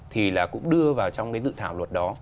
thì là cũng đưa vào trong cái dự thảo luật đó